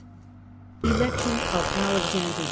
ELECTION OF ALEXANDER II.